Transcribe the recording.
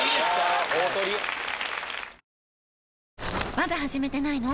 まだ始めてないの？